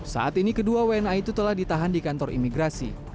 saat ini kedua wna itu telah ditahan di kantor imigrasi